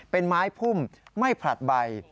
เป็นไม้พุ่มไม่ผลัดใบ